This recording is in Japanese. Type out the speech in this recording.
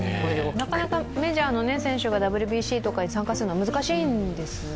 なかなかメジャーの選手がＷＢＣに参加するのは難しいんでしょうかね。